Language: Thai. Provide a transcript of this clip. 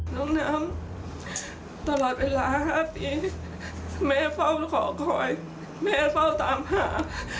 น้องน้ำตลอดเวลา๕ปีแม่เฝ้าแล้วขอคอยแม่เฝ้าตามหา